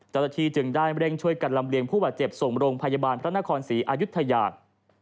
เจ้าหน้าที่จึงได้เร่งช่วยกันลำเลียงผู้บาดเจ็บส่งโรงพยาบาลพระนครศรีอายุทยา